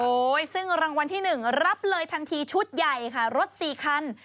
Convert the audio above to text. ซึ่งรางวัลที่๑รับเลยทันทีชุดใหญ่ค่ะรถ๔คัน